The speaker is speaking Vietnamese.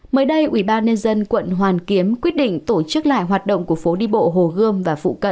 mới đây ubnd quận hoàn kiếm quyết định tổ chức lại hoạt động của phố đi bộ hồ gươm và phụ cận